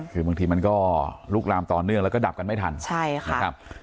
คือบางทีมันก็ลุกลามต่อเนื่องแล้วก็ดับกันไม่ทันใช่ค่ะนะครับ